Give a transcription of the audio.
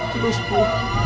terima kasih bu